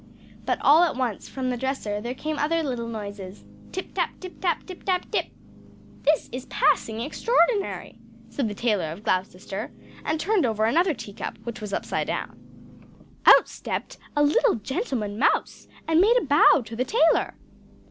But all at once, from the dresser, there came other little noises: Tip tap, tip tap, tip tap tip! "This is passing extraordinary!" said the Tailor of Gloucester, and turned over another tea cup, which was upside down. Out stepped a little gentleman mouse, and made a bow to the tailor!